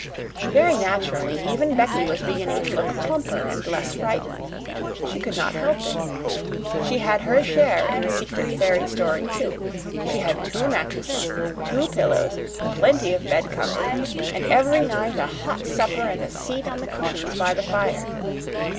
Very naturally, even Becky was beginning to look plumper and less frightened. She could not help it. She had her share in the secret fairy story, too. She had two mattresses, two pillows, plenty of bed covering, and every night a hot supper and a seat on the cushions by the fire.